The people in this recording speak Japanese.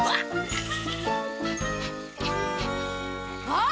あっ！